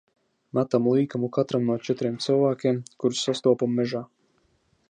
Metam līkumu katram no četriem cilvēkiem, kurus sastopam mežā.